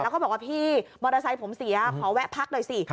แล้วก็บอกว่าพี่มอเตอร์ไซค์ผมเสียขอแวะพักหน่อยสิ